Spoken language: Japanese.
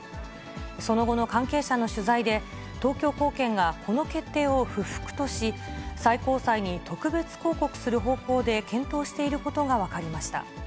その後の関係者の取材で、東京高検がこの決定を不服とし、最高裁に特別抗告する方向で検討していることが分かりました。